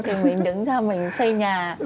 thì mình đứng ra mình xây nhà